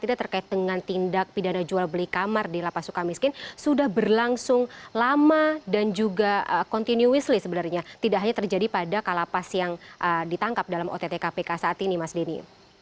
tidak terkait dengan tindak pidana jual beli kamar di lapas suka miskin sudah berlangsung lama dan juga continuously sebenarnya tidak hanya terjadi pada kalapas yang ditangkap dalam ott kpk saat ini mas denny